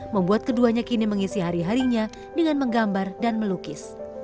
membuat keduanya kini mengisi hari harinya dengan menggambar dan melukis